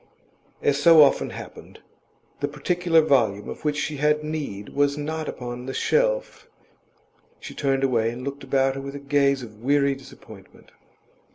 As so often happened, the particular volume of which she had need was not upon the shelf. She turned away, and looked about her with a gaze of weary disappointment.